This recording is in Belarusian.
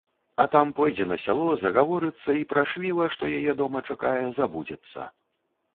А там пойдзе на сяло, загаворыцца і пра швіва, што яе дома чакае, забудзецца.